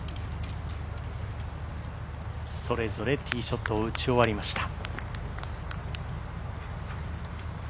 それぞれティーショットを打ち終わりました。